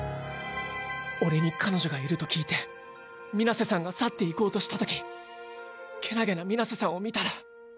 俺に彼女がいると聞いて水瀬さんが去っていこうとしたときけなげな水瀬さんを見たら。